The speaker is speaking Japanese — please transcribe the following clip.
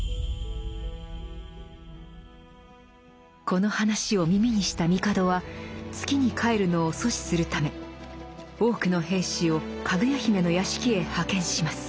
この話を耳にした帝は月に帰るのを阻止するため多くの兵士をかぐや姫の屋敷へ派遣します。